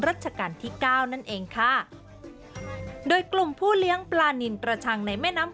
รัชกาลที่เก้านั่นเองค่ะโดยกลุ่มผู้เลี้ยงปลานินกระชังในแม่น้ำ